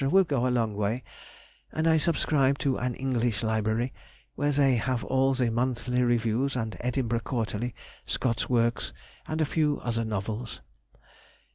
will go a long way; and I subscribe to an English library, where they have all the monthly reviews and Edinburgh Quarterly, Scott's works, and a few other novels....